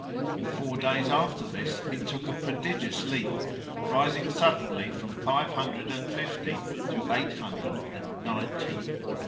In four days after this it took a prodigious leap, rising suddenly from five hundred and fifty to eight hundred and ninety.